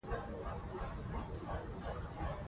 موږ به خپل منزل ته ورسېږو.